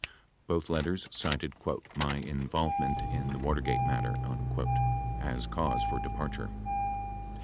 Both letters cited "my involvement in the Watergate matter" as cause for departure.